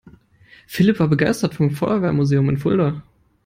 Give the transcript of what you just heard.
Philipp war begeistert vom Feuerwehrmuseum in Fulda.